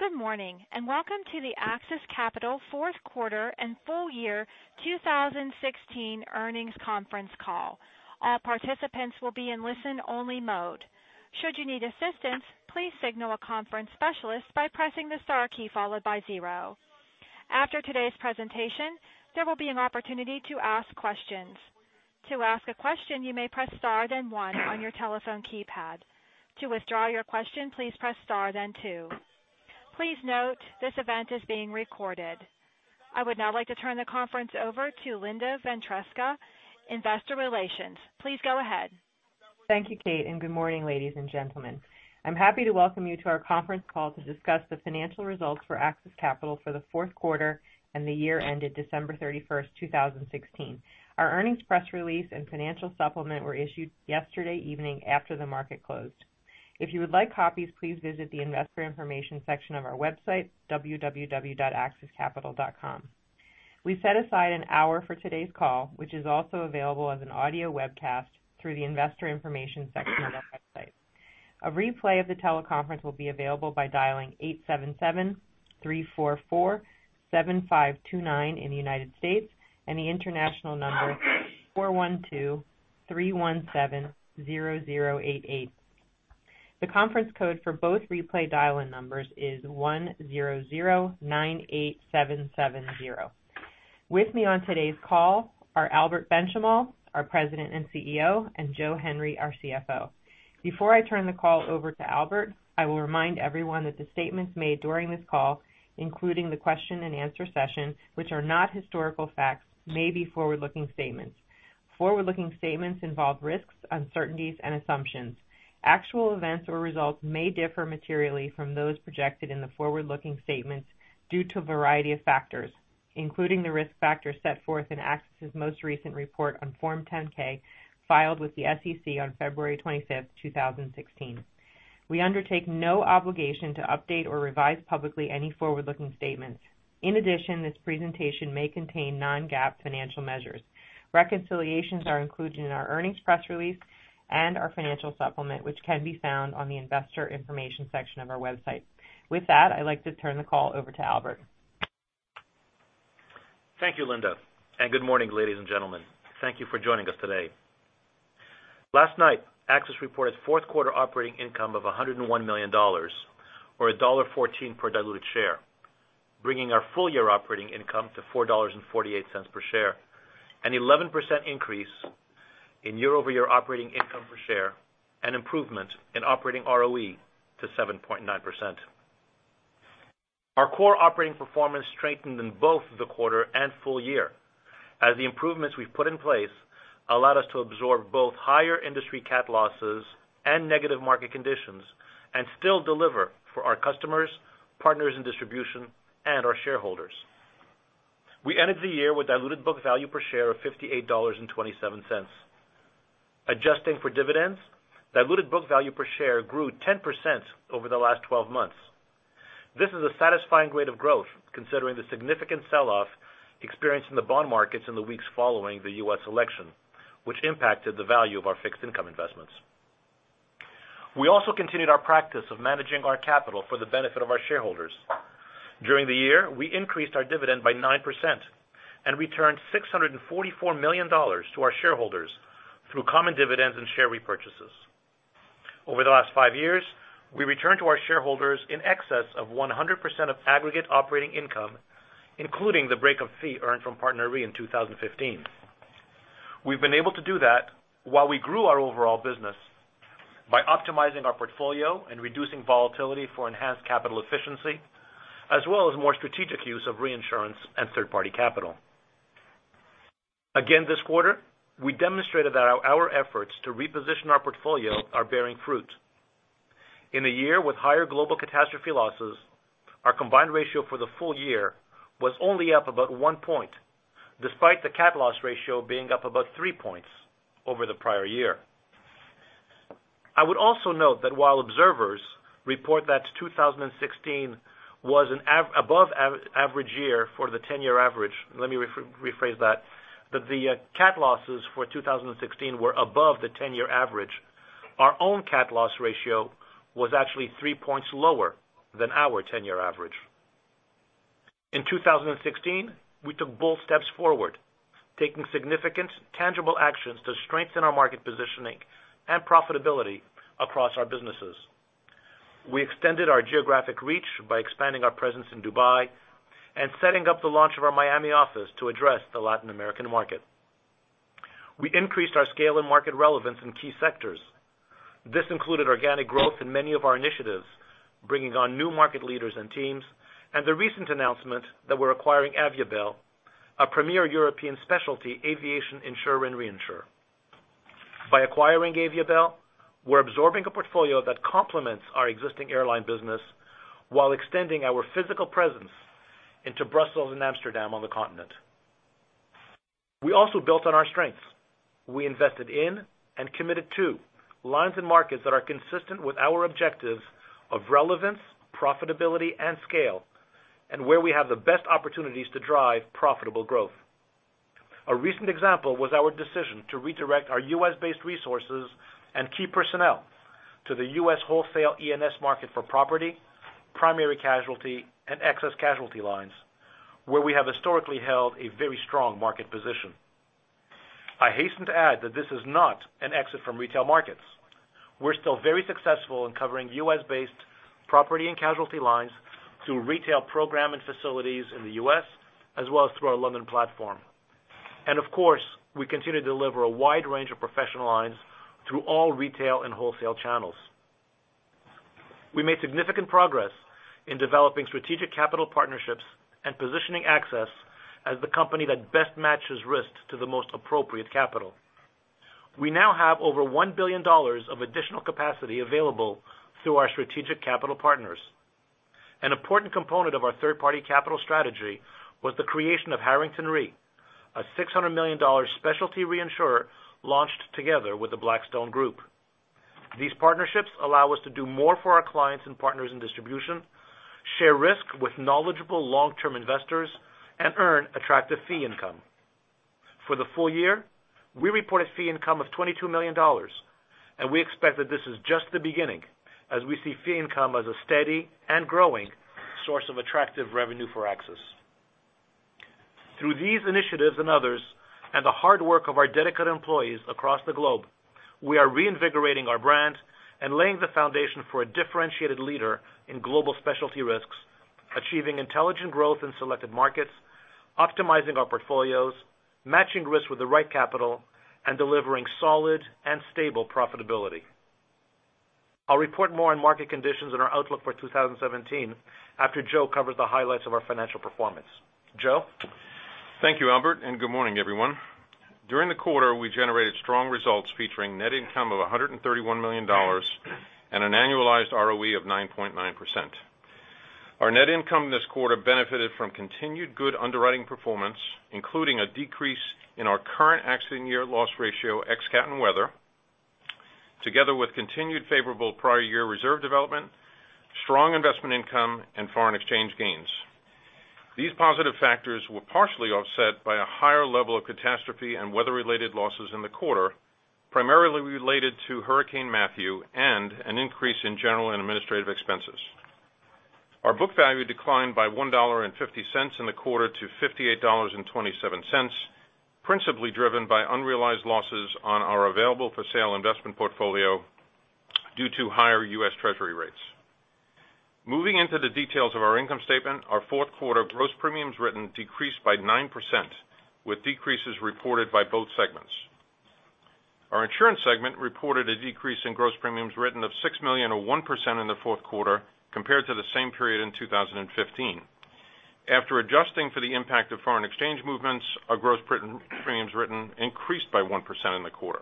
Good morning. Welcome to the AXIS Capital fourth quarter and full year 2016 earnings conference call. All participants will be in listen-only mode. Should you need assistance, please signal a conference specialist by pressing the star key followed by zero. After today's presentation, there will be an opportunity to ask questions. To ask a question, you may press star then one on your telephone keypad. To withdraw your question, please press star then two. Please note this event is being recorded. I would now like to turn the conference over to Linda Ventresca, Investor Relations. Please go ahead. Thank you, Kate. Good morning, ladies and gentlemen. I am happy to welcome you to our conference call to discuss the financial results for AXIS Capital for the fourth quarter and the year ended December 31st 2016. Our earnings press release and financial supplement were issued yesterday evening after the market closed. If you would like copies, please visit the investor information section of our website, www.axiscapital.com. We set aside an hour for today's call, which is also available as an audio webcast through the investor information section of our website. A replay of the teleconference will be available by dialing 877-344-7529 in the United States, and the international number, 412-317-0088. The conference code for both replay dial-in numbers is 10098770. With me on today's call are Albert Benchimol, our President and CEO, and Joe Henry, our CFO. Before I turn the call over to Albert, I will remind everyone that the statements made during this call, including the question and answer session, which are not historical facts, may be forward-looking statements. Forward-looking statements involve risks, uncertainties, and assumptions. Actual events or results may differ materially from those projected in the forward-looking statements due to a variety of factors, including the risk factors set forth in AXIS' most recent report on Form 10-K, filed with the SEC on February 25th 2016. We undertake no obligation to update or revise publicly any forward-looking statements. In addition, this presentation may contain non-GAAP financial measures. Reconciliations are included in our earnings press release and our financial supplement, which can be found on the investor information section of our website. With that, I'd like to turn the call over to Albert. Thank you, Linda. Good morning, ladies and gentlemen. Thank you for joining us today. Last night, AXIS reported fourth quarter operating income of $101 million, or $1.14 per diluted share, bringing our full-year operating income to $4.48 per share, an 11% increase in year-over-year operating income per share and improvement in operating ROE to 7.9%. Our core operating performance strengthened in both the quarter and full year, as the improvements we've put in place allowed us to absorb both higher industry cat losses and negative market conditions and still deliver for our customers, partners in distribution, and our shareholders. We ended the year with diluted book value per share of $58.27. Adjusting for dividends, diluted book value per share grew 10% over the last 12 months. This is a satisfying rate of growth, considering the significant sell-off experienced in the bond markets in the weeks following the U.S. election, which impacted the value of our fixed income investments. We also continued our practice of managing our capital for the benefit of our shareholders. During the year, we increased our dividend by 9% and returned $644 million to our shareholders through common dividends and share repurchases. Over the last five years, we returned to our shareholders in excess of 100% of aggregate operating income, including the breakup fee earned from PartnerRe in 2015. We've been able to do that while we grew our overall business by optimizing our portfolio and reducing volatility for enhanced capital efficiency, as well as more strategic use of reinsurance and third-party capital. This quarter, we demonstrated that our efforts to reposition our portfolio are bearing fruit. In a year with higher global catastrophe losses, our combined ratio for the full year was only up about one point, despite the cat loss ratio being up about three points over the prior year. I would also note that while observers report that 2016 was an above-average year for the 10-year average, let me rephrase that the cat losses for 2016 were above the 10-year average. Our own cat loss ratio was actually three points lower than our 10-year average. In 2016, we took bold steps forward, taking significant, tangible actions to strengthen our market positioning and profitability across our businesses. We extended our geographic reach by expanding our presence in Dubai and setting up the launch of our Miami office to address the Latin American market. We increased our scale and market relevance in key sectors. This included organic growth in many of our initiatives, bringing on new market leaders and teams, and the recent announcement that we're acquiring Aviabel, a premier European specialty aviation insurer and reinsurer. By acquiring Aviabel, we're absorbing a portfolio that complements our existing airline business while extending our physical presence into Brussels and Amsterdam on the continent. We also built on our strengths. We invested in and committed to lines and markets that are consistent with our objectives of relevance, profitability, and scale, and where we have the best opportunities to drive profitable growth. A recent example was our decision to redirect our U.S.-based resources and key personnel to the U.S. wholesale E&S market for property, primary casualty, and excess casualty lines, where we have historically held a very strong market position. I hasten to add that this is not an exit from retail markets. We're still very successful in covering U.S.-based property and casualty lines through retail programming facilities in the U.S., as well as through our London platform. Of course, we continue to deliver a wide range of professional lines through all retail and wholesale channels. We made significant progress in developing strategic capital partnerships and positioning AXIS as the company that best matches risk to the most appropriate capital. We now have over $1 billion of additional capacity available through our strategic capital partners. An important component of our third-party capital strategy was the creation of Harrington Re, a $600 million specialty reinsurer launched together with the Blackstone Group. These partnerships allow us to do more for our clients and partners in distribution, share risk with knowledgeable long-term investors, and earn attractive fee income. For the full year, we reported fee income of $22 million. We expect that this is just the beginning as we see fee income as a steady and growing source of attractive revenue for AXIS. Through these initiatives and others, and the hard work of our dedicated employees across the globe, we are reinvigorating our brand and laying the foundation for a differentiated leader in global specialty risks, achieving intelligent growth in selected markets, optimizing our portfolios, matching risk with the right capital, and delivering solid and stable profitability. I'll report more on market conditions and our outlook for 2017 after Joe covers the highlights of our financial performance. Joe? Thank you, Albert, and good morning, everyone. During the quarter, we generated strong results featuring net income of $131 million and an annualized ROE of 9.9%. Our net income this quarter benefited from continued good underwriting performance, including a decrease in our current accident year loss ratio ex cat and weather, together with continued favorable prior year reserve development, strong investment income, and foreign exchange gains. These positive factors were partially offset by a higher level of catastrophe and weather-related losses in the quarter, primarily related to Hurricane Matthew and an increase in general and administrative expenses. Our book value declined by $1.50 in the quarter to $58.27, principally driven by unrealized losses on our available-for-sale investment portfolio due to higher U.S. Treasury rates. Moving into the details of our income statement, our fourth quarter gross premiums written decreased by 9%, with decreases reported by both segments. Our insurance segment reported a decrease in gross premiums written of $6 million, or 1% in the fourth quarter, compared to the same period in 2015. After adjusting for the impact of foreign exchange movements, our gross premiums written increased by 1% in the quarter.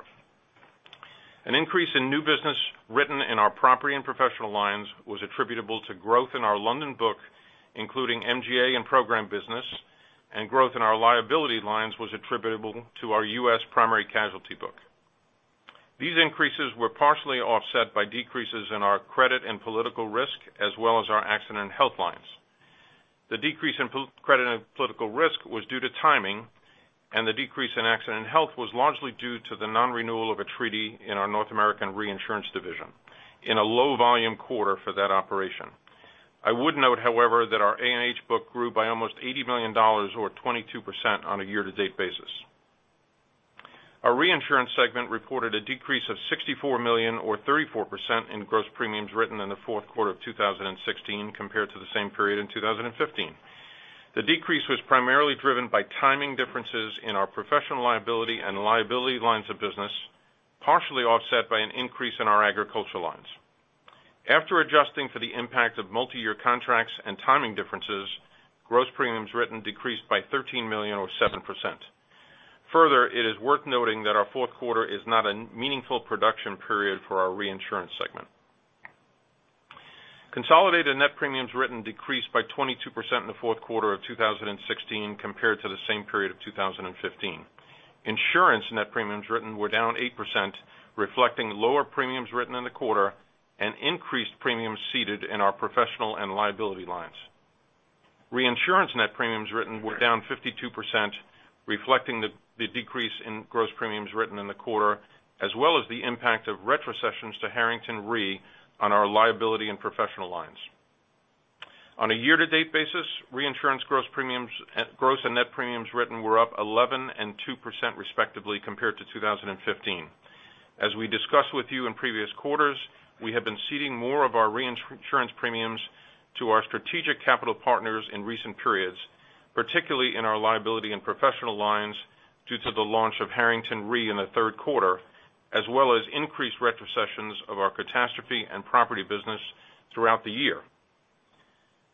An increase in new business written in our property and professional lines was attributable to growth in our London book, including MGA and program business, and growth in our liability lines was attributable to our U.S. primary casualty book. These increases were partially offset by decreases in our credit and political risk, as well as our accident and health lines. The decrease in credit and political risk was due to timing, and the decrease in accident and health was largely due to the non-renewal of a treaty in our North American reinsurance division in a low-volume quarter for that operation. I would note, however, that our A&H book grew by almost $80 million, or 22% on a year-to-date basis. Our reinsurance segment reported a decrease of $64 million, or 34% in gross premiums written in the fourth quarter of 2016 compared to the same period in 2015. The decrease was primarily driven by timing differences in our professional liability and liability lines of business, partially offset by an increase in our agricultural lines. After adjusting for the impact of multi-year contracts and timing differences, gross premiums written decreased by $13 million, or 7%. Further, it is worth noting that our fourth quarter is not a meaningful production period for our reinsurance segment. Consolidated net premiums written decreased by 22% in the fourth quarter of 2016 compared to the same period of 2015. Insurance net premiums written were down 8%, reflecting lower premiums written in the quarter and increased premiums ceded in our professional and liability lines. Reinsurance net premiums written were down 52%, reflecting the decrease in gross premiums written in the quarter, as well as the impact of retrocessions to Harrington Re on our liability and professional lines. On a year-to-date basis, reinsurance gross and net premiums written were up 11% and 2% respectively compared to 2015. As we discussed with you in previous quarters, we have been ceding more of our reinsurance premiums to our strategic capital partners in recent periods, particularly in our liability and professional lines due to the launch of Harrington Re in the third quarter, as well as increased retrocessions of our catastrophe and property business throughout the year.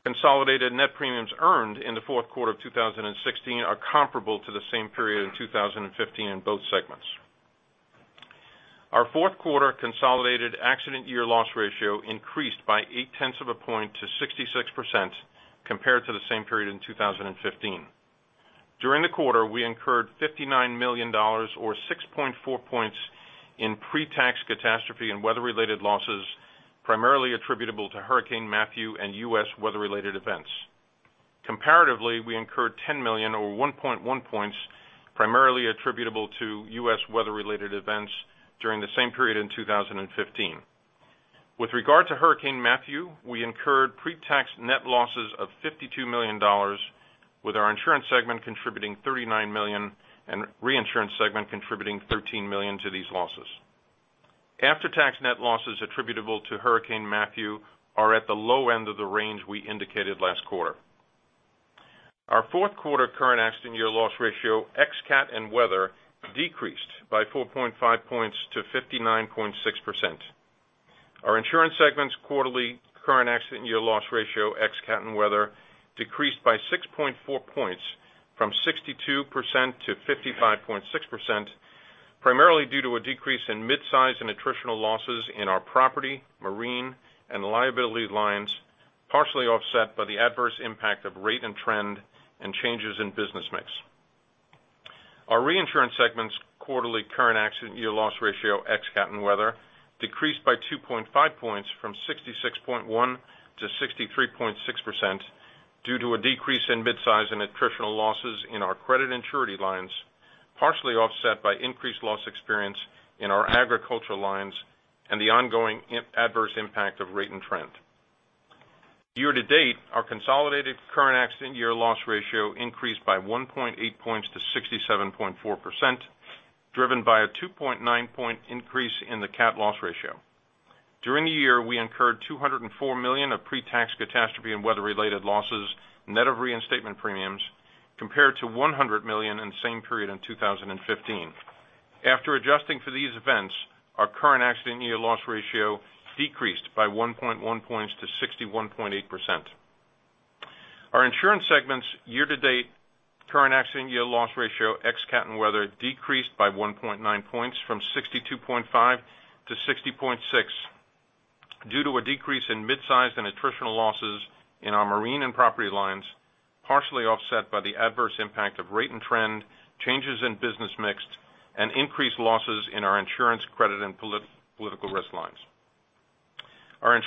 Consolidated net premiums earned in the fourth quarter of 2016 are comparable to the same period in 2015 in both segments. Our fourth quarter consolidated accident year loss ratio increased by eight tenths of a point to 66% compared to the same period in 2015. During the quarter, we incurred $59 million, or 6.4 points in pre-tax catastrophe and weather-related losses primarily attributable to Hurricane Matthew and U.S. weather-related events. Comparatively, we incurred $10 million, or 1.1 points, primarily attributable to U.S. weather-related events during the same period in 2015. With regard to Hurricane Matthew, we incurred pre-tax net losses of $52 million, with our insurance segment contributing $39 million and reinsurance segment contributing $13 million to these losses. After-tax net losses attributable to Hurricane Matthew are at the low end of the range we indicated last quarter. Our fourth quarter current accident year loss ratio, ex cat and weather, decreased by 4.5 points to 59.6%. Our insurance segment's quarterly current accident year loss ratio, ex cat and weather, decreased by 6.4 points from 62% to 55.6%, primarily due to a decrease in mid-sized and attritional losses in our property, marine, and liability lines, partially offset by the adverse impact of rate and trend and changes in business mix. Our reinsurance segment's quarterly current accident year loss ratio, ex cat and weather, decreased by 2.5 points from 66.1% to 63.6% due to a decrease in mid-size and attritional losses in our credit and surety lines, partially offset by increased loss experience in our agricultural lines and the ongoing adverse impact of rate and trend. Year-to-date, our consolidated current accident year loss ratio increased by 1.8 points to 67.4%, driven by a 2.9 point increase in the cat loss ratio. During the year, we incurred $204 million of pre-tax catastrophe and weather-related losses, net of reinstatement premiums, compared to $100 million in the same period in 2015. After adjusting for these events, our current accident year loss ratio decreased by 1.1 points to 61.8%. Our insurance segment's year-to-date current accident year loss ratio, ex cat and weather, decreased by 1.9 points from 62.5% to 60.6% due to a decrease in mid-sized and attritional losses in our marine and property lines, partially offset by the adverse impact of rate and trend, changes in business mix, and increased losses in our insurance credit and political risk lines. Our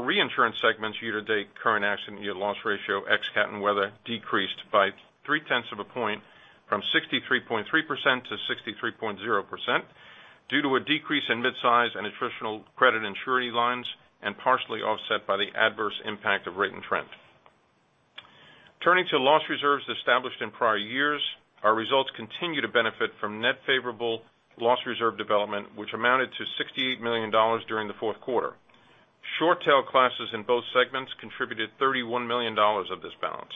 reinsurance segment's year-to-date current accident year loss ratio, ex cat and weather, decreased by three-tenths of a point from 63.3% to 63.0% due to a decrease in mid-size and attritional credit and surety lines, partially offset by the adverse impact of rate and trend. Turning to loss reserves established in prior years, our results continue to benefit from net favorable loss reserve development, which amounted to $68 million during the fourth quarter. Short-tail classes in both segments contributed $31 million of this balance.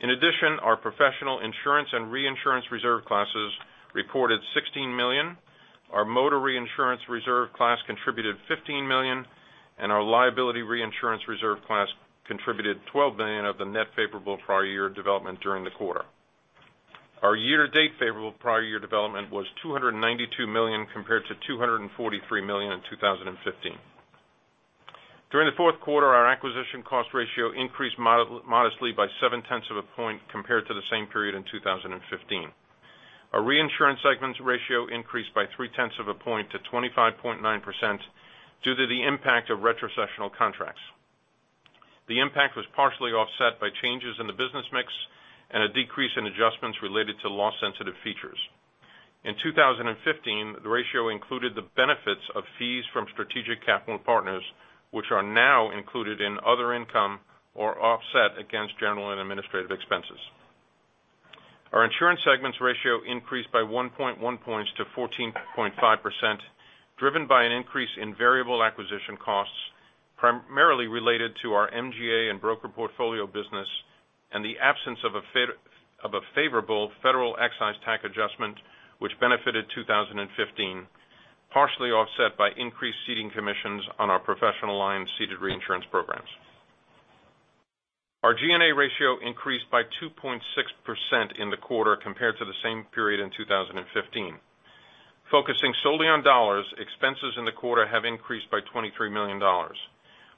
In addition, our professional insurance and reinsurance reserve classes reported $16 million, our motor reinsurance reserve class contributed $15 million, and our liability reinsurance reserve class contributed $12 million of the net favorable prior year development during the quarter. Our year-to-date favorable prior year development was $292 million compared to $243 million in 2015. During the fourth quarter, our acquisition cost ratio increased modestly by seven-tenths of a point compared to the same period in 2015. Our reinsurance segment's ratio increased by three-tenths of a point to 25.9% due to the impact of retrocessional contracts. The impact was partially offset by changes in the business mix and a decrease in adjustments related to loss-sensitive features. In 2015, the ratio included the benefits of fees from strategic capital partners, which are now included in other income or offset against general and administrative expenses. Our insurance segment's ratio increased by 1.1 points to 14.5%, driven by an increase in variable acquisition costs, primarily related to our MGA and broker portfolio business, and the absence of a favorable federal excise tax adjustment which benefited 2015, partially offset by increased ceding commissions on our professional lines ceded reinsurance programs. Our G&A ratio increased by 2.6% in the quarter compared to the same period in 2015. Focusing solely on dollars, expenses in the quarter have increased by $23 million.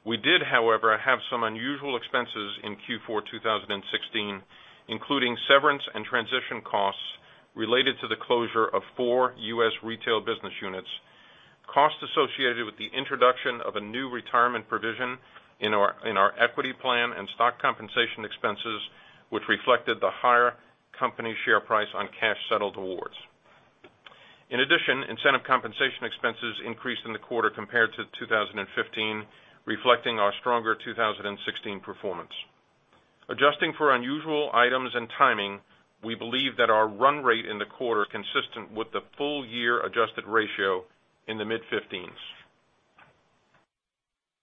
We did, however, have some unusual expenses in Q4 2016, including severance and transition costs related to the closure of four U.S. retail business units, costs associated with the introduction of a new retirement provision in our equity plan, and stock compensation expenses, which reflected the higher company share price on cash settled awards. In addition, incentive compensation expenses increased in the quarter compared to 2015, reflecting our stronger 2016 performance. Adjusting for unusual items and timing, we believe that our run rate in the quarter is consistent with the full year adjusted ratio in the mid-15s.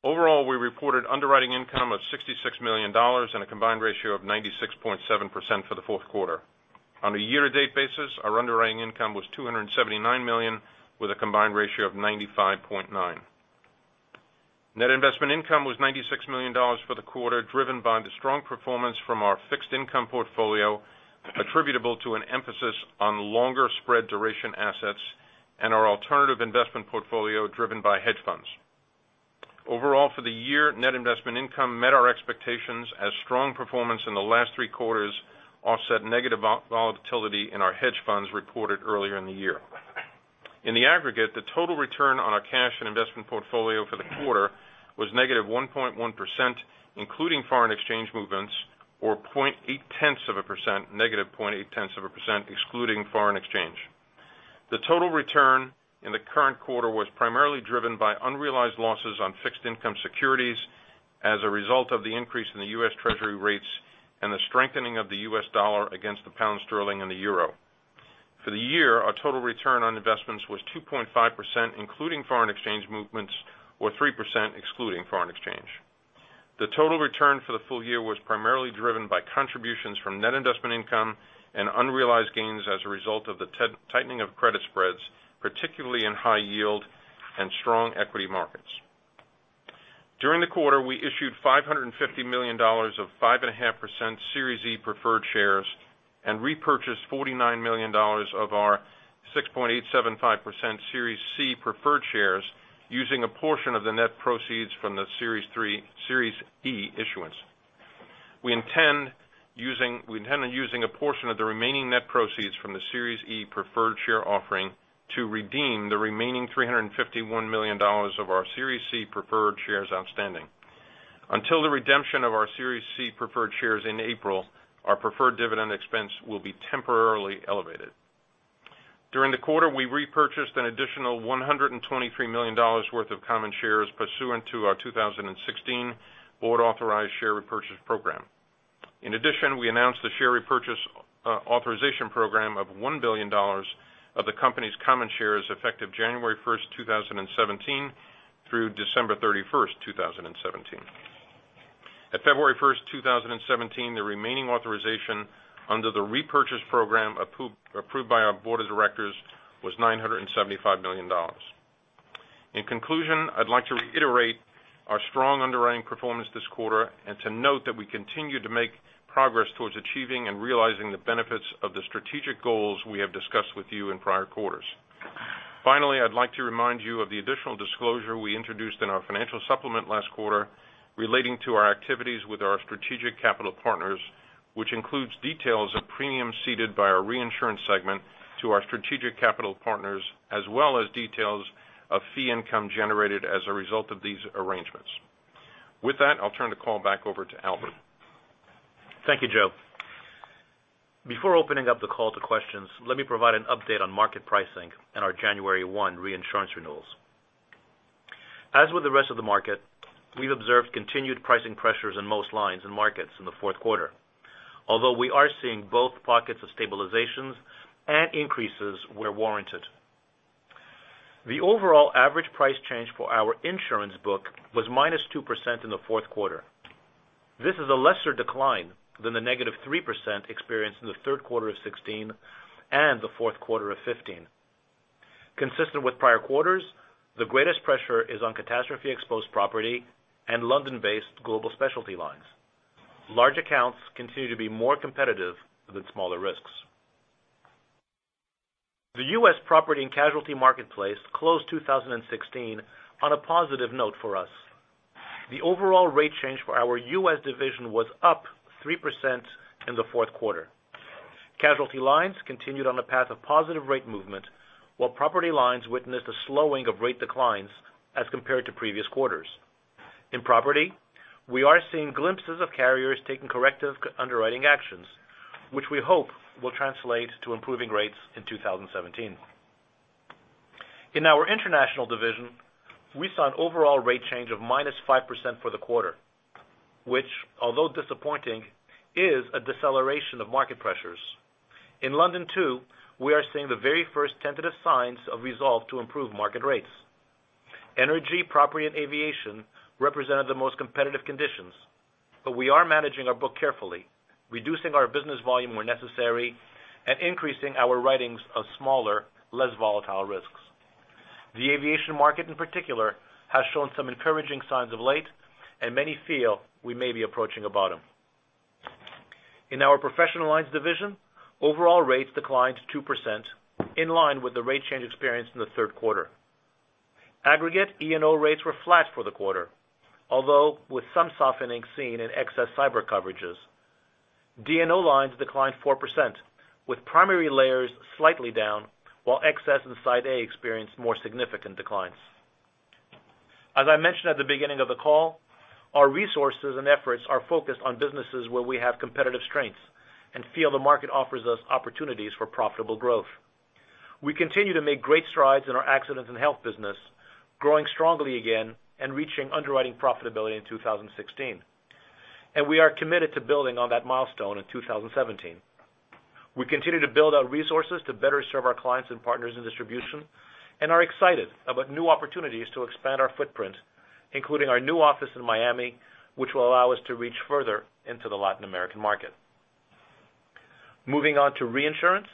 Overall, we reported underwriting income of $66 million and a combined ratio of 96.7% for the fourth quarter. On a year-to-date basis, our underwriting income was $279 million, with a combined ratio of 95.9%. Net investment income was $96 million for the quarter, driven by the strong performance from our fixed income portfolio attributable to an emphasis on longer spread duration assets and our alternative investment portfolio driven by hedge funds. Overall, for the year, net investment income met our expectations as strong performance in the last three quarters offset negative volatility in our hedge funds reported earlier in the year. In the aggregate, the total return on our cash and investment portfolio for the quarter was -1.1%, including foreign exchange movements, or 0.8%, -0.8%, excluding foreign exchange. The total return in the current quarter was primarily driven by unrealized losses on fixed income securities as a result of the increase in the U.S. Treasury rates and the strengthening of the U.S. dollar against the pound sterling and the euro. For the year, our total return on investments was 2.5%, including foreign exchange movements, or 3% excluding foreign exchange. The total return for the full year was primarily driven by contributions from net investment income and unrealized gains as a result of the tightening of credit spreads, particularly in high yield and strong equity markets. During the quarter, we issued $550 million of 5.50% Series E Preferred Shares and repurchased $49 million of our 6.875% Series C preferred shares using a portion of the net proceeds from the Series E issuance. We intend on using a portion of the remaining net proceeds from the Series E Preferred Share offering to redeem the remaining $351 million of our Series C preferred shares outstanding. Until the redemption of our Series C preferred shares in April, our preferred dividend expense will be temporarily elevated. During the quarter, we repurchased an additional $123 million worth of common shares pursuant to our 2016 board-authorized share repurchase program. In addition, we announced the share repurchase authorization program of $1 billion of the company's common shares effective January 1st, 2017, through December 31st, 2017. At February 1st, 2017, the remaining authorization under the repurchase program approved by our board of directors was $975 million. In conclusion, I'd like to reiterate our strong underwriting performance this quarter and to note that we continue to make progress towards achieving and realizing the benefits of the strategic goals we have discussed with you in prior quarters. Finally, I'd like to remind you of the additional disclosure we introduced in our financial supplement last quarter relating to our activities with our strategic capital partners, which includes details of premiums ceded by our reinsurance segment to our strategic capital partners, as well as details of fee income generated as a result of these arrangements. With that, I'll turn the call back over to Albert. Thank you, Joe. Before opening up the call to questions, let me provide an update on market pricing and our January 1 reinsurance renewals. As with the rest of the market, we've observed continued pricing pressures in most lines and markets in the fourth quarter. Although we are seeing both pockets of stabilizations and increases where warranted. The overall average price change for our insurance book was -2% in the fourth quarter. This is a lesser decline than the -3% experienced in the third quarter of 2016 and the fourth quarter of 2015. Consistent with prior quarters, the greatest pressure is on catastrophe-exposed property and London-based global specialty lines. Large accounts continue to be more competitive than smaller risks. The U.S. property and casualty marketplace closed 2016 on a positive note for us. The overall rate change for our U.S. division was up 3% in the fourth quarter. Casualty lines continued on the path of positive rate movement, while property lines witnessed a slowing of rate declines as compared to previous quarters. In property, we are seeing glimpses of carriers taking corrective underwriting actions, which we hope will translate to improving rates in 2017. In our international division, we saw an overall rate change of -5% for the quarter, which, although disappointing, is a deceleration of market pressures. In London too, we are seeing the very first tentative signs of resolve to improve market rates. Energy, property, and aviation represented the most competitive conditions, but we are managing our book carefully, reducing our business volume where necessary, and increasing our writings of smaller, less volatile risks. The aviation market in particular, has shown some encouraging signs of late, and many feel we may be approaching a bottom. In our professional lines division, overall rates declined 2%, in line with the rate change experienced in the third quarter. Aggregate E&O rates were flat for the quarter, although with some softening seen in excess cyber coverages. D&O lines declined 4%, with primary layers slightly down, while excess and Side A experienced more significant declines. As I mentioned at the beginning of the call, our resources and efforts are focused on businesses where we have competitive strengths and feel the market offers us opportunities for profitable growth. We continue to make great strides in our accidents and health business, growing strongly again and reaching underwriting profitability in 2016. We are committed to building on that milestone in 2017. We continue to build our resources to better serve our clients and partners in distribution and are excited about new opportunities to expand our footprint, including our new office in Miami, which will allow us to reach further into the Latin American market. Moving on to reinsurance.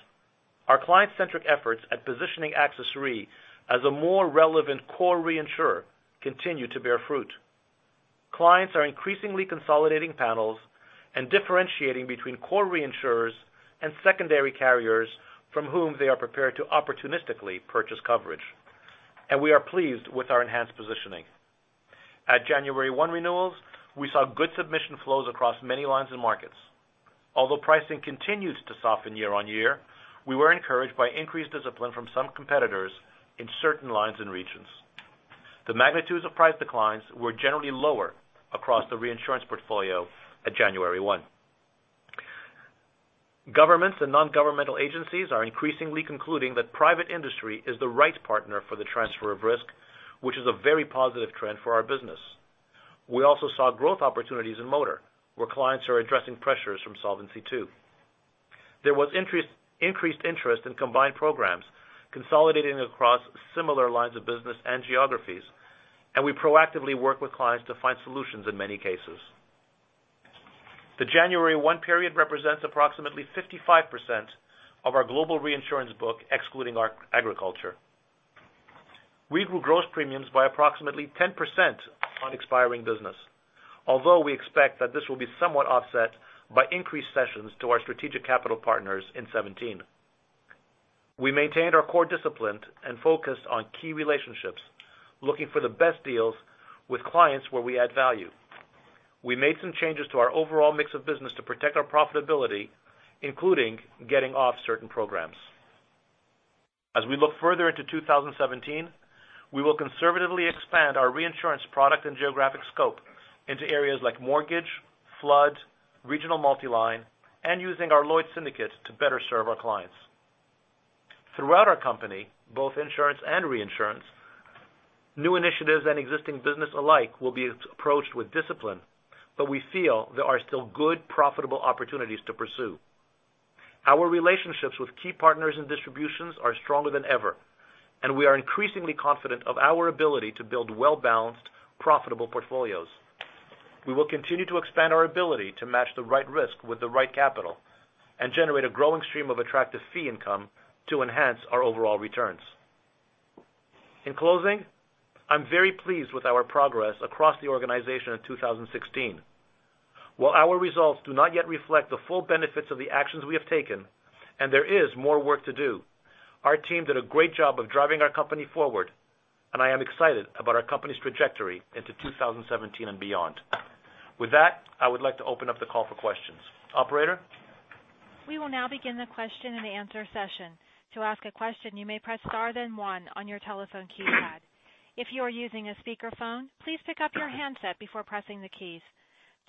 Our client-centric efforts at positioning AXIS Re as a more relevant core reinsurer continue to bear fruit. Clients are increasingly consolidating panels and differentiating between core reinsurers and secondary carriers from whom they are prepared to opportunistically purchase coverage. We are pleased with our enhanced positioning. At January 1 renewals, we saw good submission flows across many lines and markets. Although pricing continues to soften year-on-year, we were encouraged by increased discipline from some competitors in certain lines and regions. The magnitudes of price declines were generally lower across the reinsurance portfolio at January 1. Governments and non-governmental agencies are increasingly concluding that private industry is the right partner for the transfer of risk, which is a very positive trend for our business. We also saw growth opportunities in motor, where clients are addressing pressures from Solvency II. There was increased interest in combined programs consolidating across similar lines of business and geographies. We proactively work with clients to find solutions in many cases. The January 1 period represents approximately 55% of our global reinsurance book, excluding agriculture. We grew gross premiums by approximately 10% on expiring business, although we expect that this will be somewhat offset by increased cessions to our strategic capital partners in 2017. We maintained our core discipline and focused on key relationships, looking for the best deals with clients where we add value. We made some changes to our overall mix of business to protect our profitability, including getting off certain programs. As we look further into 2017, we will conservatively expand our reinsurance product and geographic scope into areas like mortgage, flood, regional multi-line, and using our Lloyd's syndicate to better serve our clients. Throughout our company, both insurance and reinsurance, new initiatives and existing business alike will be approached with discipline, but we feel there are still good, profitable opportunities to pursue. Our relationships with key partners in distributions are stronger than ever, and we are increasingly confident of our ability to build well-balanced, profitable portfolios. We will continue to expand our ability to match the right risk with the right capital and generate a growing stream of attractive fee income to enhance our overall returns. In closing, I'm very pleased with our progress across the organization in 2016. While our results do not yet reflect the full benefits of the actions we have taken, and there is more work to do, our team did a great job of driving our company forward, and I am excited about our company's trajectory into 2017 and beyond. With that, I would like to open up the call for questions. Operator? We will now begin the question and answer session. To ask a question, you may press star, then one on your telephone keypad. If you are using a speakerphone, please pick up your handset before pressing the keys.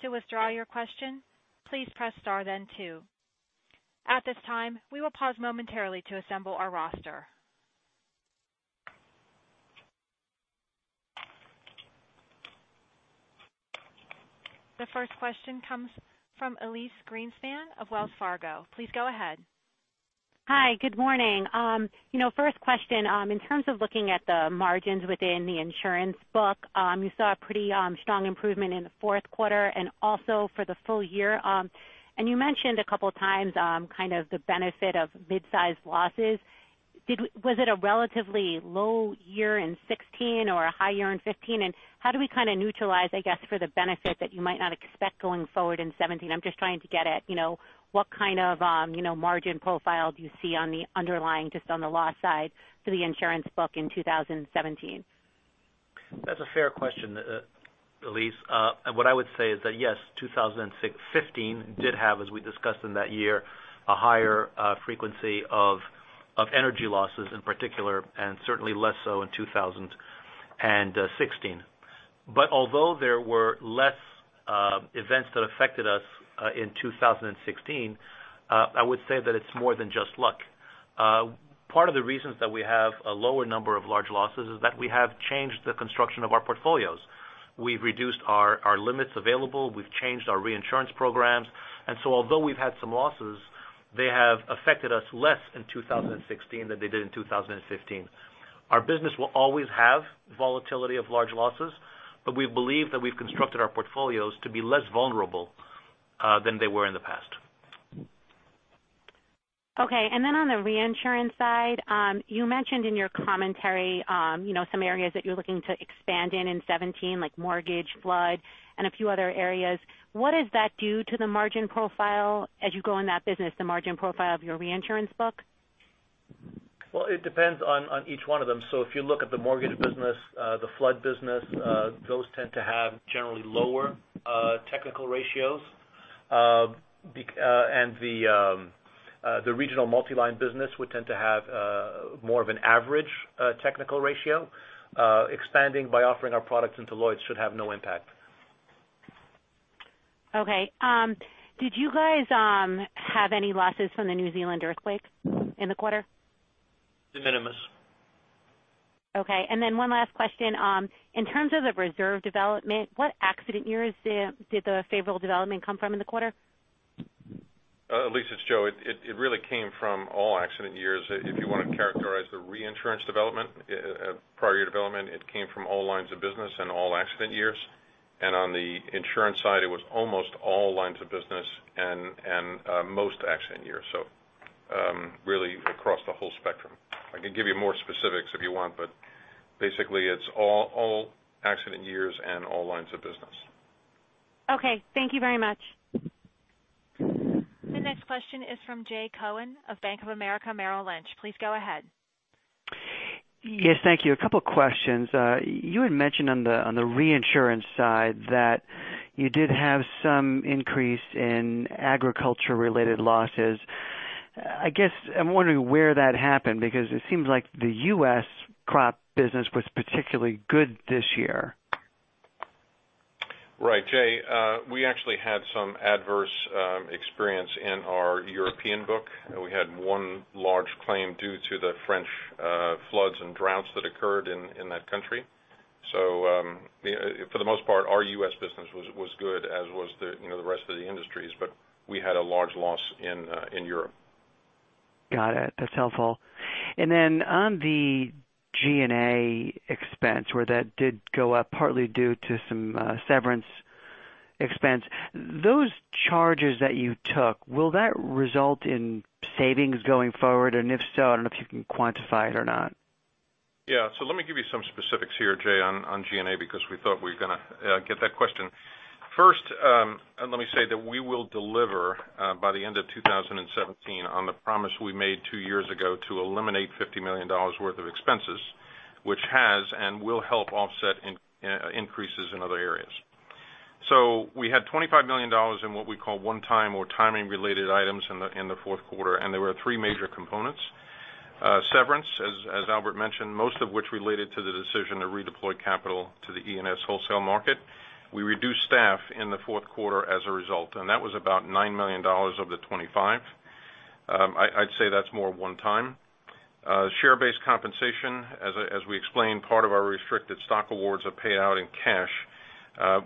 To withdraw your question, please press star, then two. At this time, we will pause momentarily to assemble our roster. The first question comes from Elyse Greenspan of Wells Fargo. Please go ahead. Hi. Good morning. First question, in terms of looking at the margins within the insurance book, you saw a pretty strong improvement in the fourth quarter and also for the full year. You mentioned a couple of times the benefit of mid-size losses. Was it a relatively low year in 2016 or a high year in 2015? How do we neutralize, I guess, for the benefit that you might not expect going forward in 2017? I'm just trying to get at what kind of margin profile do you see on the underlying, just on the loss side for the insurance book in 2017? That's a fair question, Elyse. What I would say is that, yes, 2015 did have, as we discussed in that year, a higher frequency of energy losses in particular, and certainly less so in 2016. Although there were less events that affected us in 2016, I would say that it's more than just luck. Part of the reasons that we have a lower number of large losses is that we have changed the construction of our portfolios. We've reduced our limits available. We've changed our reinsurance programs. Although we've had some losses, they have affected us less in 2016 than they did in 2015. Our business will always have volatility of large losses, but we believe that we've constructed our portfolios to be less vulnerable than they were in the past. Okay. Then on the reinsurance side, you mentioned in your commentary some areas that you're looking to expand in in 2017, like mortgage, flood, and a few other areas. What does that do to the margin profile as you grow in that business, the margin profile of your reinsurance book? Well, it depends on each one of them. If you look at the mortgage business, the flood business, those tend to have generally lower technical ratios. The regional multi-line business would tend to have more of an average technical ratio. Expanding by offering our products into Lloyd's should have no impact. Okay. Did you guys have any losses from the New Zealand earthquake in the quarter? De minimis. Okay. One last question. In terms of the reserve development, what accident years did the favorable development come from in the quarter? Elyse, it's Joe. It really came from all accident years. If you want to characterize the reinsurance development, prior year development, it came from all lines of business and all accident years. On the insurance side, it was almost all lines of business and most accident years. Really across the whole spectrum. I can give you more specifics if you want, but basically it's all accident years and all lines of business. Okay. Thank you very much. The next question is from Jay Cohen of Bank of America Merrill Lynch. Please go ahead. Yes. Thank you. A couple of questions. You had mentioned on the reinsurance side that you did have some increase in agriculture related losses. I guess I'm wondering where that happened because it seems like the U.S. crop business was particularly good this year. Right, Jay. We actually had some adverse experience in our European book. We had one large claim due to the French floods and droughts that occurred in that country. For the most part, our U.S. business was good, as was the rest of the industries. We had a large loss in Europe. Got it. That's helpful. Then on the G&A expense where that did go up partly due to some severance expense, those charges that you took, will that result in savings going forward? If so, I don't know if you can quantify it or not. Yeah. Let me give you some specifics here, Jay, on G&A, because we thought we were going to get that question. First, let me say that we will deliver by the end of 2017 on the promise we made two years ago to eliminate $50 million worth of expenses, which has and will help offset increases in other areas. We had $25 million in what we call one time or timing related items in the fourth quarter, and there were three major components. Severance, as Albert mentioned, most of which related to the decision to redeploy capital to the E&S wholesale market. We reduced staff in the fourth quarter as a result, and that was about $9 million of the 25. I'd say that's more one time. Share-based compensation, as we explained, part of our restricted stock awards are paid out in cash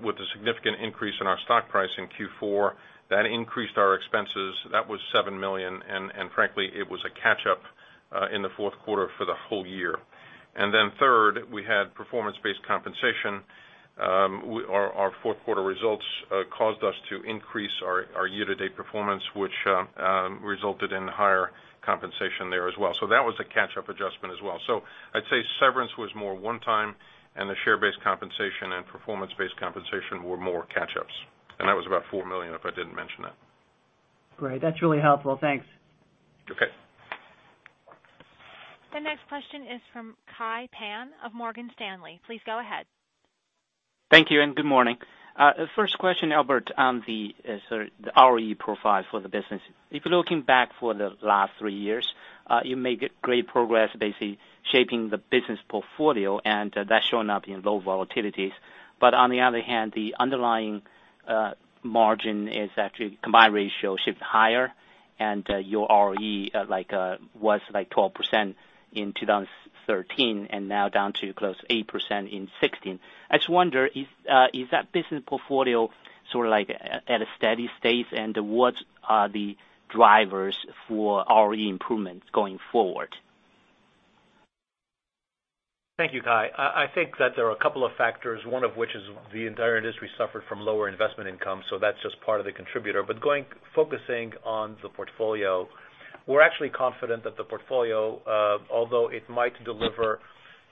with a significant increase in our stock price in Q4. That increased our expenses. That was $7 million, and frankly, it was a catch up in the fourth quarter for the whole year. Then third, we had performance-based compensation. Our fourth quarter results caused us to increase our year-to-date performance which resulted in higher compensation there as well. That was a catch up adjustment as well. I'd say severance was more one time, and the share-based compensation and performance-based compensation were more catch ups. That was about $4 million, if I didn't mention that. Great. That's really helpful. Thanks. Okay. The next question is from Kai Pan of Morgan Stanley. Please go ahead. Thank you and good morning. First question, Albert, on the ROE profile for the business. If you're looking back for the last three years, you made great progress basically shaping the business portfolio, and that's showing up in low volatilities. On the other hand, the underlying margin is actually combined ratio shifted higher and your ROE was 12% in 2013 and now down to close to 8% in 2016. I just wonder, is that business portfolio sort of at a steady state and what are the drivers for ROE improvements going forward? Thank you, Kai. I think that there are a couple of factors, one of which is the entire industry suffered from lower investment income, that's just part of the contributor. Focusing on the portfolio, we're actually confident that the portfolio although it might deliver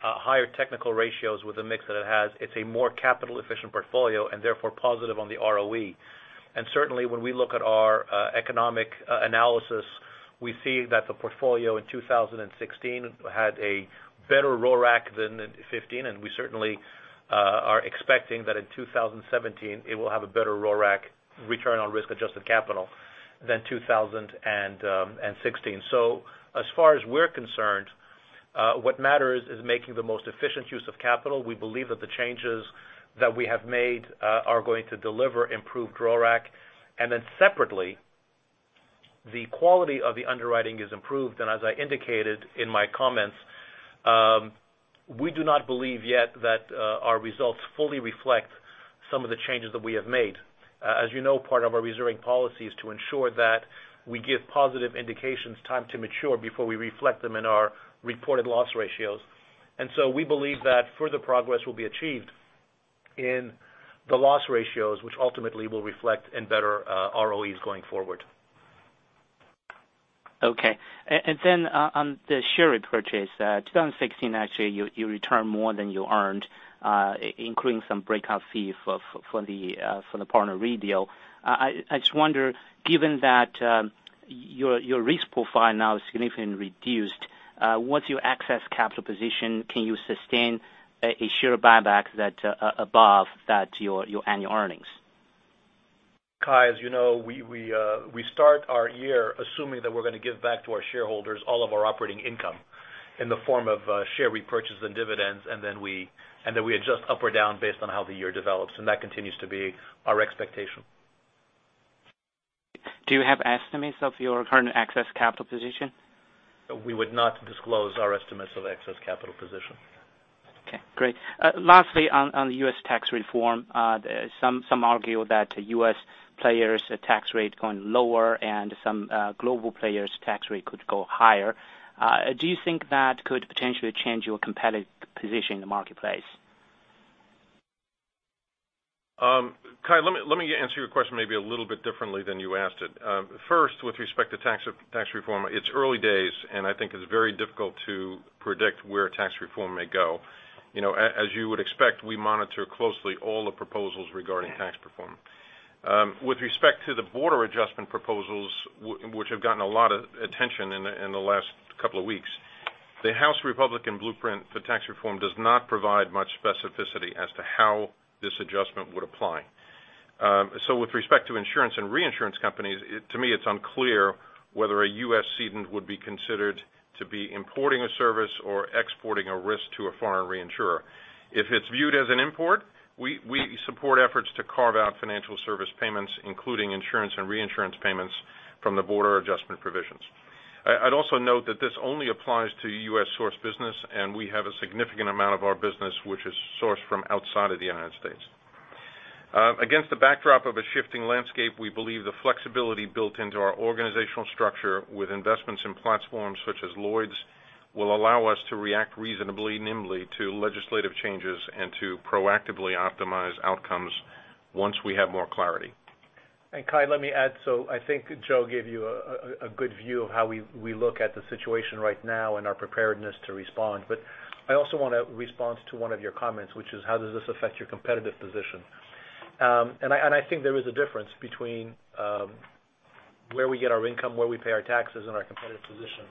higher technical ratios with the mix that it has, it's a more capital efficient portfolio and therefore positive on the ROE. Certainly when we look at our economic analysis, we see that the portfolio in 2016 had a better RORAC than in 2015, and we certainly are expecting that in 2017 it will have a better RORAC return on risk adjusted capital than 2016. As far as we're concerned, what matters is making the most efficient use of capital. We believe that the changes that we have made are going to deliver improved RORAC, and then separately, the quality of the underwriting is improved. As I indicated in my comments, we do not believe yet that our results fully reflect some of the changes that we have made. As you know, part of our reserving policy is to ensure that we give positive indications time to mature before we reflect them in our reported loss ratios. We believe that further progress will be achieved in the loss ratios, which ultimately will reflect in better ROEs going forward. Okay. On the share repurchase, 2016 actually you returned more than you earned including some breakout fee for the PartnerRe deal. I just wonder, given that your risk profile now is significantly reduced, once you access capital position, can you sustain a share buyback that above your annual earnings? Kai, as you know, we start our year assuming that we're going to give back to our shareholders all of our operating income in the form of share repurchases and dividends, and then we adjust up or down based on how the year develops, and that continues to be our expectation. Do you have estimates of your current excess capital position? We would not disclose our estimates of excess capital position. Okay, great. Lastly, on the U.S. tax reform, some argue that U.S. players tax rate going lower and some global players tax rate could go higher. Do you think that could potentially change your competitive position in the marketplace? Kai, let me answer your question maybe a little bit differently than you asked it. First, with respect to tax reform, it's early days, and I think it's very difficult to predict where tax reform may go. As you would expect, we monitor closely all the proposals regarding tax reform. With respect to the border adjustment proposals, which have gotten a lot of attention in the last couple of weeks. The House Republican blueprint for tax reform does not provide much specificity as to how this adjustment would apply. With respect to insurance and reinsurance companies, to me, it's unclear whether a U.S. cedent would be considered to be importing a service or exporting a risk to a foreign reinsurer. If it's viewed as an import, we support efforts to carve out financial service payments, including insurance and reinsurance payments from the border adjustment provisions. I'd also note that this only applies to U.S. source business, and we have a significant amount of our business which is sourced from outside of the United States. Against the backdrop of a shifting landscape, we believe the flexibility built into our organizational structure with investments in platforms such as Lloyd's will allow us to react reasonably nimbly to legislative changes and to proactively optimize outcomes once we have more clarity. Kai, let me add. I think Joe gave you a good view of how we look at the situation right now and our preparedness to respond. I also want to respond to one of your comments, which is how does this affect your competitive position? I think there is a difference between where we get our income, where we pay our taxes, and our competitive position.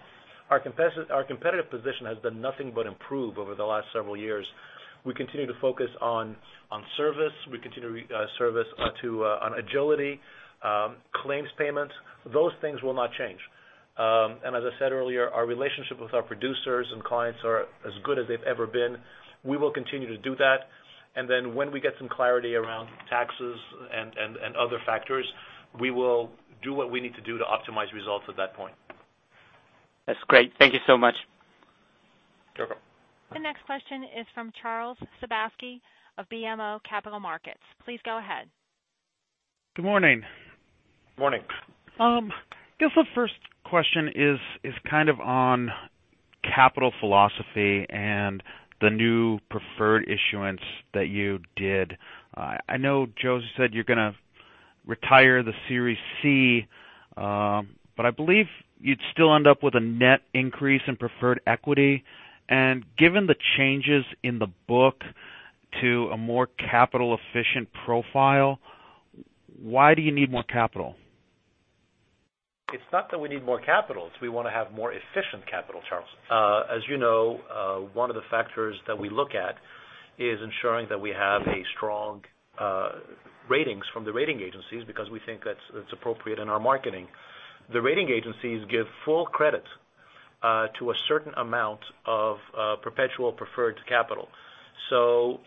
Our competitive position has been nothing but improve over the last several years. We continue to focus on service. We continue service on agility, claims payments. Those things will not change. As I said earlier, our relationship with our producers and clients are as good as they've ever been. We will continue to do that, and then when we get some clarity around taxes and other factors, we will do what we need to do to optimize results at that point. That's great. Thank you so much. You're welcome. The next question is from Charles Sebaski of BMO Capital Markets. Please go ahead. Good morning. Morning. The first question is kind of on capital philosophy and the new preferred issuance that you did. I know Joe said you're going to retire the Series C, but I believe you'd still end up with a net increase in preferred equity. Given the changes in the book to a more capital-efficient profile, why do you need more capital? It's not that we need more capital. It's we want to have more efficient capital, Charles. As you know, one of the factors that we look at is ensuring that we have strong ratings from the rating agencies because we think that's appropriate in our marketing. The rating agencies give full credit to a certain amount of perpetual preferred capital.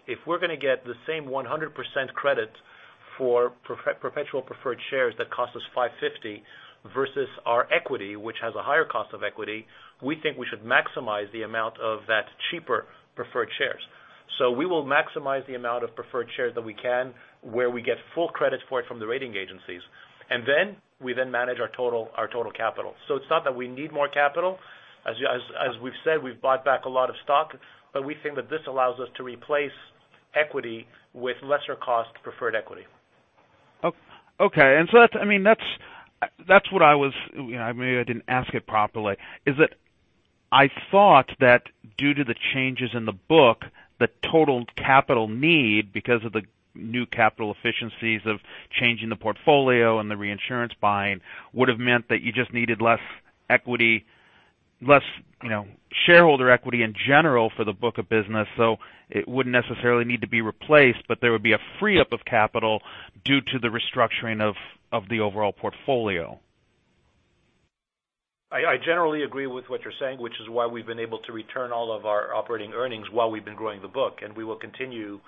If we're going to get the same 100% credit for perpetual preferred shares that cost us 550 versus our equity, which has a higher cost of equity, we think we should maximize the amount of that cheaper preferred shares. We will maximize the amount of preferred shares that we can, where we get full credit for it from the rating agencies, and then we then manage our total capital. It's not that we need more capital. As we've said, we've bought back a lot of stock. We think that this allows us to replace equity with lesser cost preferred equity. Okay. That's what I was, maybe I didn't ask it properly, is that I thought that due to the changes in the book, the total capital need, because of the new capital efficiencies of changing the portfolio and the reinsurance buying, would have meant that you just needed less equity, less shareholder equity in general for the book of business. It wouldn't necessarily need to be replaced, there would be a free up of capital due to the restructuring of the overall portfolio. I generally agree with what you're saying, which is why we've been able to return all of our operating earnings while we've been growing the book. We will continue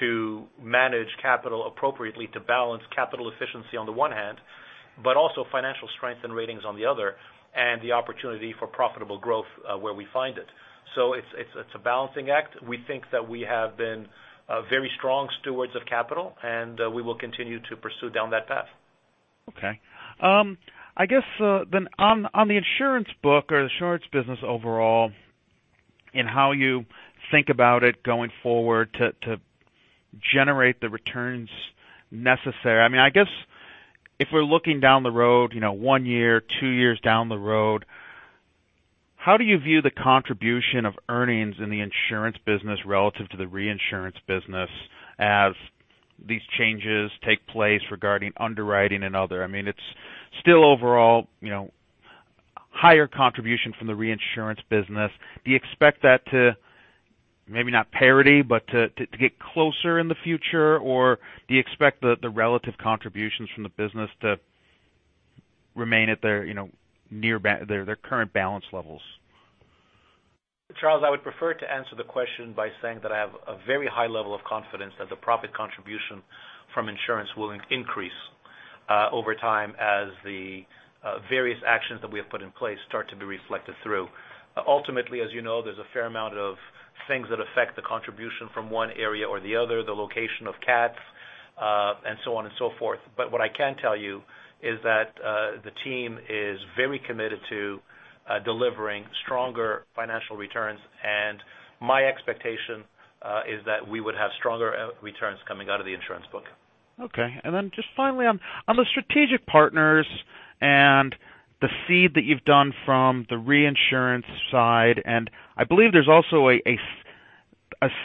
to manage capital appropriately to balance capital efficiency on the one hand, but also financial strength and ratings on the other, and the opportunity for profitable growth where we find it. It's a balancing act. We think that we have been very strong stewards of capital, we will continue to pursue down that path. Okay. On the insurance book or the insurance business overall and how you think about it going forward to generate the returns necessary. If we're looking down the road, one year, two years down the road, how do you view the contribution of earnings in the insurance business relative to the reinsurance business as these changes take place regarding underwriting and other? It's still overall higher contribution from the reinsurance business. Do you expect that to maybe not parity, but to get closer in the future? Do you expect the relative contributions from the business to remain at their current balance levels? Charles, I would prefer to answer the question by saying that I have a very high level of confidence that the profit contribution from insurance will increase over time as the various actions that we have put in place start to be reflected through. Ultimately, as you know, there's a fair amount of things that affect the contribution from one area or the other, the location of cats, and so on and so forth. What I can tell you is that the team is very committed to delivering stronger financial returns, my expectation is that we would have stronger returns coming out of the insurance book. Okay. Just finally on the strategic partners and the cede that you've done from the reinsurance side, I believe there's also a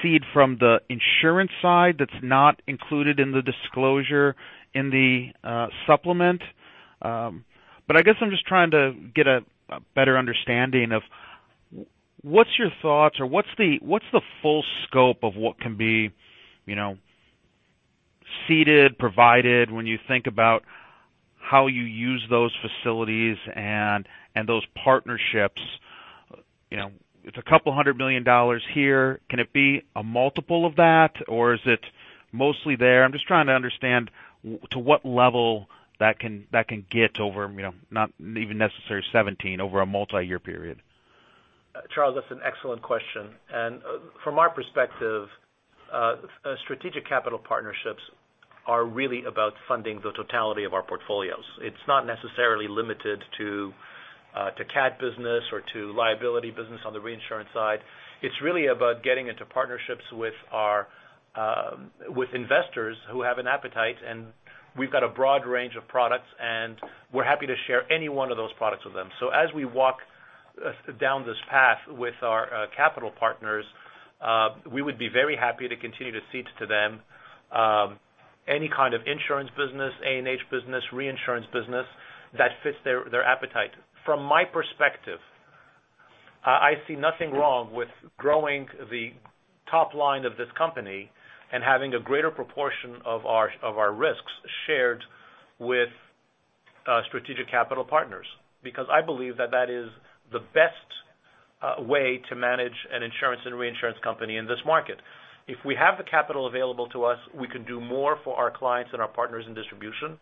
cede from the insurance side that's not included in the disclosure in the supplement. I'm just trying to get a better understanding of what's your thoughts or what's the full scope of what can be seeded, provided when you think about how you use those facilities and those partnerships. It's a couple hundred million dollars here. Can it be a multiple of that, or is it mostly there? I'm just trying to understand to what level that can get over, not even necessarily 2017, over a multi-year period. Charles, that's an excellent question. From our perspective, strategic capital partnerships are really about funding the totality of our portfolios. It's not necessarily limited to cat business or to liability business on the reinsurance side. It's really about getting into partnerships with investors who have an appetite, and we've got a broad range of products, and we're happy to share any one of those products with them. As we walk down this path with our capital partners, we would be very happy to continue to seed to them any kind of insurance business, A&H business, reinsurance business that fits their appetite. From my perspective, I see nothing wrong with growing the top line of this company and having a greater proportion of our risks shared with strategic capital partners, because I believe that that is the best way to manage an insurance and reinsurance company in this market. If we have the capital available to us, we can do more for our clients and our partners in distribution.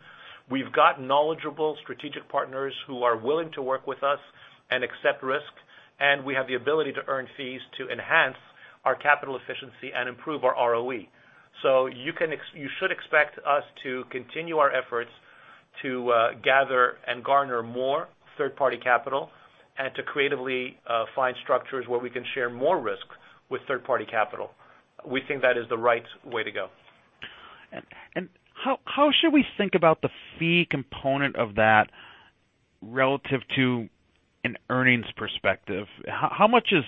We've got knowledgeable strategic partners who are willing to work with us and accept risk, and we have the ability to earn fees to enhance our capital efficiency and improve our ROE. You should expect us to continue our efforts to gather and garner more third-party capital and to creatively find structures where we can share more risk with third-party capital. We think that is the right way to go. How should we think about the fee component of that relative to an earnings perspective? How much is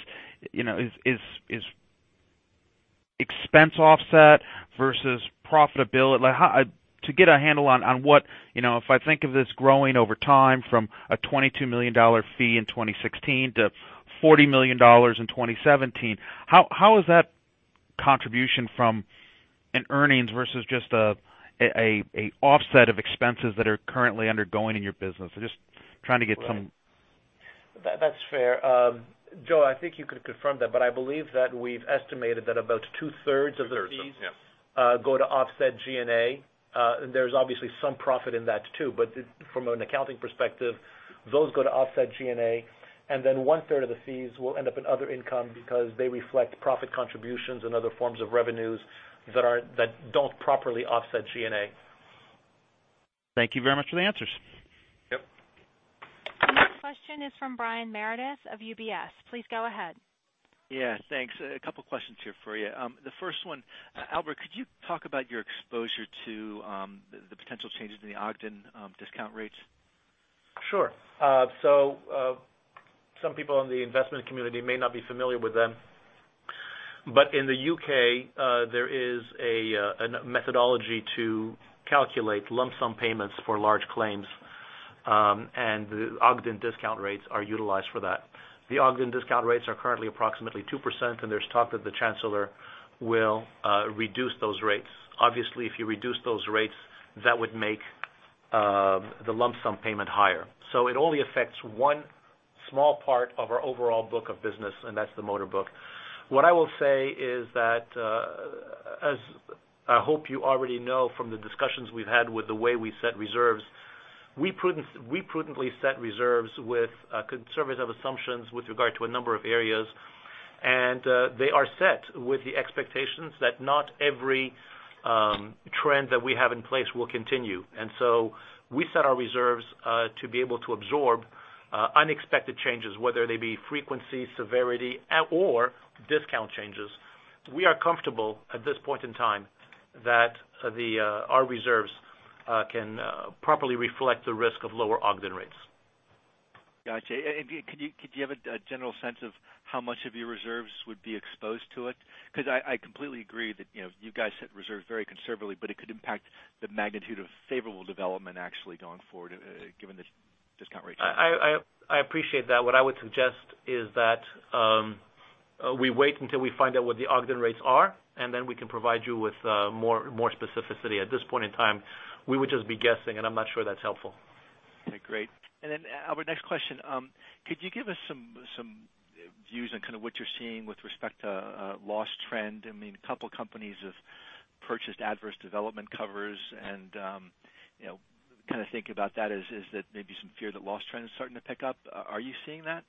expense offset versus profitability? To get a handle on what, if I think of this growing over time from a $22 million fee in 2016 to $40 million in 2017, how is that contribution from an earnings versus just an offset of expenses that are currently undergoing in your business? That's fair. Joe, I think you could confirm that, but I believe that we've estimated that about two-thirds of the fees. Two-thirds, yeah go to offset G&A. There's obviously some profit in that too, but from an accounting perspective, those go to offset G&A, and then one-third of the fees will end up in other income because they reflect profit contributions and other forms of revenues that don't properly offset G&A. Thank you very much for the answers. Yep. The next question is from Brian Meredith of UBS. Please go ahead. Yeah, thanks. A couple questions here for you. The first one, Albert, could you talk about your exposure to the potential changes in the Ogden discount rates? Sure. Some people in the investment community may not be familiar with them, but in the U.K., there is a methodology to calculate lump sum payments for large claims, and the Ogden discount rates are utilized for that. The Ogden discount rates are currently approximately 2%, and there's talk that the Chancellor will reduce those rates. Obviously, if you reduce those rates, that would make the lump sum payment higher. It only affects one small part of our overall book of business, and that's the motor book. What I will say is that, as I hope you already know from the discussions we've had with the way we set reserves, we prudently set reserves with conservative assumptions with regard to a number of areas, and they are set with the expectations that not every trend that we have in place will continue. We set our reserves to be able to absorb unexpected changes, whether they be frequency, severity, or discount changes. We are comfortable at this point in time that our reserves can properly reflect the risk of lower Ogden rates. Got you. Could you have a general sense of how much of your reserves would be exposed to it? I completely agree that you guys set reserves very conservatively, but it could impact the magnitude of favorable development actually going forward given this discount rate. I appreciate that. What I would suggest is that we wait until we find out what the Ogden rates are. Then we can provide you with more specificity. At this point in time, we would just be guessing, and I'm not sure that's helpful. Okay, great. Albert, next question. Could you give us some views on kind of what you're seeing with respect to loss trend? I mean, a couple companies have purchased adverse development covers, and kind of think about that as that maybe some fear that loss trend is starting to pick up. Are you seeing that?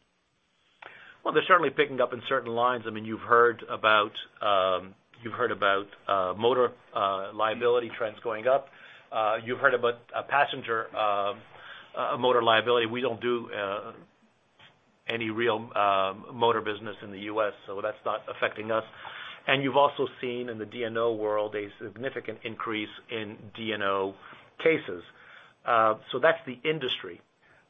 Well, they're certainly picking up in certain lines. You've heard about motor liability trends going up. You've heard about passenger motor liability. We don't do any real motor business in the U.S., so that's not affecting us. You've also seen in the D&O world a significant increase in D&O cases. That's the industry.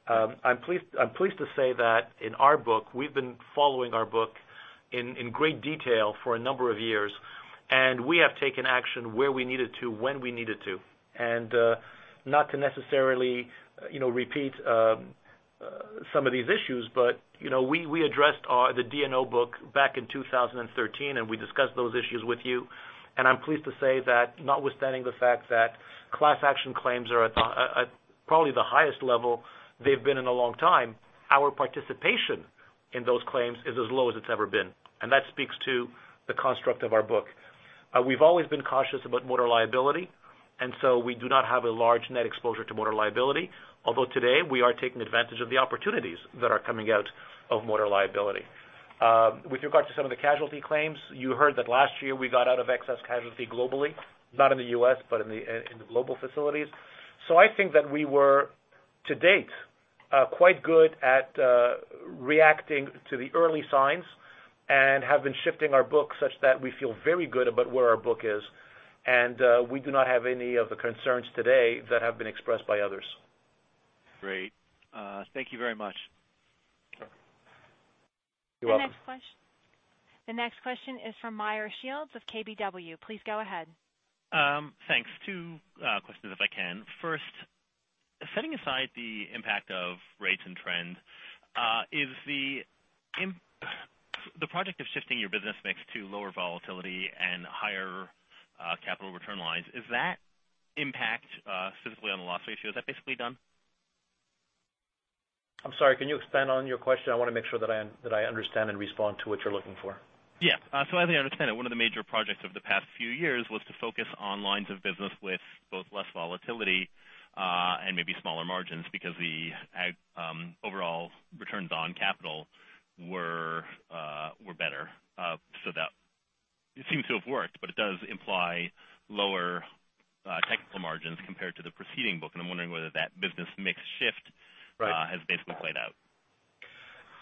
I'm pleased to say that in our book, we've been following our book in great detail for a number of years, and we have taken action where we needed to, when we needed to. Not to necessarily repeat some of these issues, but we addressed the D&O book back in 2013, and we discussed those issues with you. I'm pleased to say that notwithstanding the fact that class action claims are at probably the highest level they've been in a long time, our participation in those claims is as low as it's ever been, and that speaks to the construct of our book. We've always been cautious about motor liability. So we do not have a large net exposure to motor liability. Although today, we are taking advantage of the opportunities that are coming out of motor liability. With regard to some of the casualty claims, you heard that last year we got out of excess casualty globally, not in the U.S., but in the global facilities. I think that we were, to date, quite good at reacting to the early signs and have been shifting our books such that we feel very good about where our book is, and we do not have any of the concerns today that have been expressed by others. Great. Thank you very much. You're welcome. The next question is from Meyer Shields of KBW. Please go ahead. Thanks. Two questions if I can. First, setting aside the impact of rates and trends, the project of shifting your business mix to lower volatility and higher capital return lines, is that impact physically on the loss ratio, is that basically done? I'm sorry, can you expand on your question? I want to make sure that I understand and respond to what you're looking for. Yeah. As I understand it, one of the major projects of the past few years was to focus on lines of business with both less volatility, and maybe smaller margins because the overall returns on capital were better. That it seems to have worked, but it does imply lower technical margins compared to the preceding book, and I'm wondering whether that business mix shift has basically played out.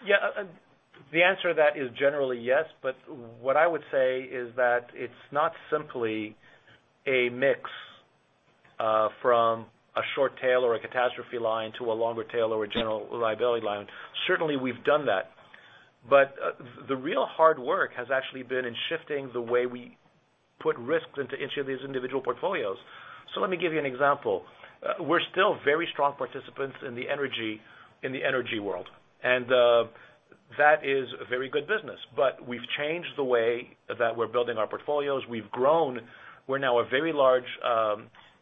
Yeah. The answer to that is generally yes, but what I would say is that it's not simply a mix from a short tail or a catastrophe line to a longer tail or a general liability line. Certainly, we've done that. The real hard work has actually been in shifting the way we put risks into each of these individual portfolios. Let me give you an example. We're still very strong participants in the energy world, and that is a very good business, but we've changed the way that we're building our portfolios. We've grown. We're now a very large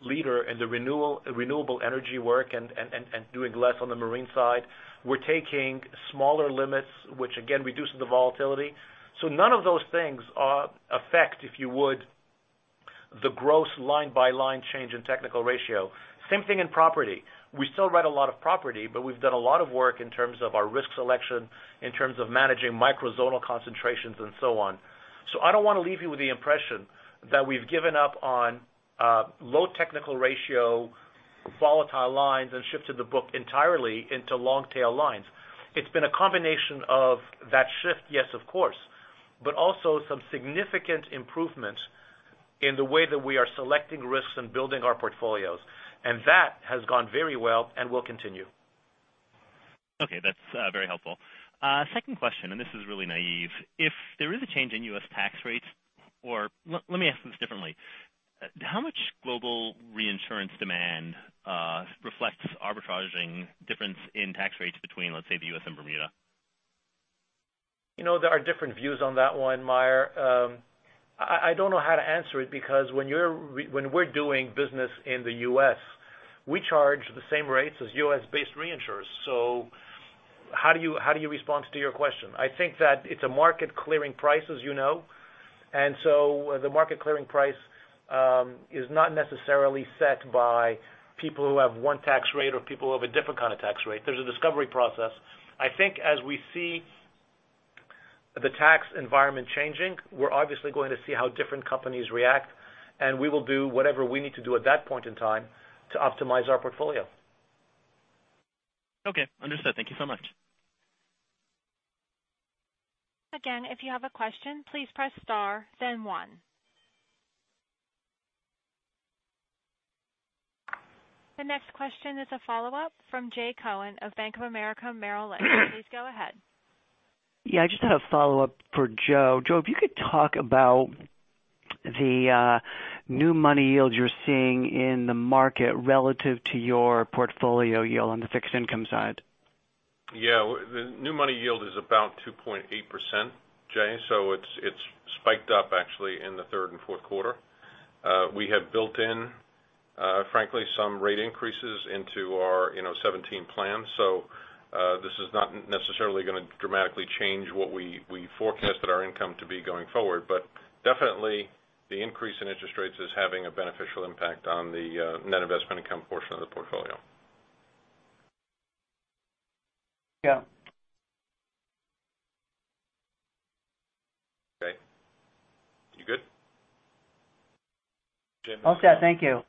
leader in the renewable energy work and doing less on the marine side. We're taking smaller limits, which again, reduces the volatility. None of those things affect, if you would, the gross line-by-line change in technical ratio. Same thing in property. We still write a lot of property, but we've done a lot of work in terms of our risk selection, in terms of managing micro zonal concentrations and so on. I don't want to leave you with the impression that we've given up on low technical ratio volatile lines and shifted the book entirely into long-tail lines. It's been a combination of that shift, yes, of course, but also some significant improvement in the way that we are selecting risks and building our portfolios. That has gone very well and will continue. Okay. That's very helpful. Second question, and this is really naive. If there is a change in U.S. tax rates or let me ask this differently. How much global reinsurance demand reflects arbitraging difference in tax rates between, let's say, the U.S. and Bermuda? There are different views on that one, Meyer. I don't know how to answer it because when we're doing business in the U.S., we charge the same rates as U.S.-based reinsurers. How do you respond to your question? I think that it's a market clearing price, as you know. The market clearing price is not necessarily set by people who have one tax rate or people who have a different kind of tax rate. There's a discovery process. I think as we see the tax environment changing, we're obviously going to see how different companies react, and we will do whatever we need to do at that point in time to optimize our portfolio. Okay, understood. Thank you so much. Again, if you have a question, please press star then one. The next question is a follow-up from Jay Cohen of Bank of America Merrill Lynch. Please go ahead. I just had a follow-up for Joe. Joe, if you could talk about the new money yield you're seeing in the market relative to your portfolio yield on the fixed income side. The new money yield is about 2.8%, Jay, it's spiked up actually in the third and fourth quarter. We have built in, frankly, some rate increases into our 2017 plan. This is not necessarily gonna dramatically change what we forecast our income to be going forward. Definitely the increase in interest rates is having a beneficial impact on the net investment income portion of the portfolio. Yeah. You good? All set. Thank you.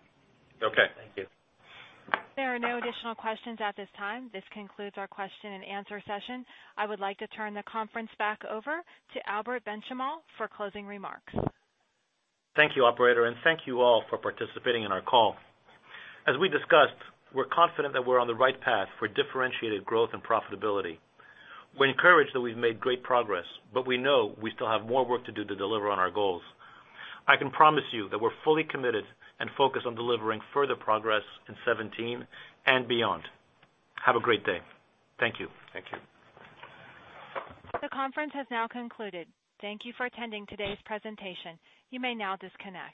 Okay. Thank you. There are no additional questions at this time. This concludes our question and answer session. I would like to turn the conference back over to Albert Benchimol for closing remarks. Thank you, operator, and thank you all for participating in our call. As we discussed, we're confident that we're on the right path for differentiated growth and profitability. We're encouraged that we've made great progress, but we know we still have more work to do to deliver on our goals. I can promise you that we're fully committed and focused on delivering further progress in 2017 and beyond. Have a great day. Thank you. Thank you. The conference has now concluded. Thank you for attending today's presentation. You may now disconnect.